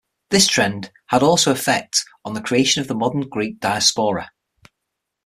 This trend had also effect on the creation of the modern Greek diaspora.